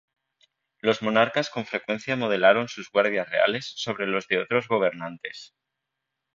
Los monarcas con frecuencia modelaron sus Guardias Reales sobre los de otros gobernantes.